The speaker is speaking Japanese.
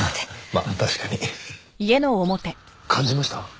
まあ確かに。感じました？